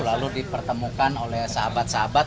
lalu dipertemukan oleh sahabat sahabat